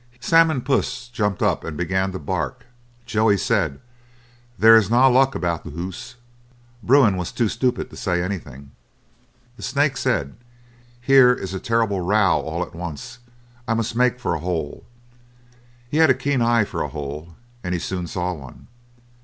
Sam and Puss jumped up and began to bark; Joey said, "There is na luck aboot the hoose." Bruin was too stupid to say anything. The snake said, "Here is a terrible row all at once, I must make for a hole." He had a keen eye for a hole, and he soon saw one.